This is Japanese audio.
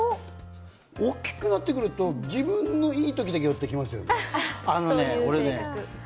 大きくなってくると自分のいい時だけいい寄ってきますよね。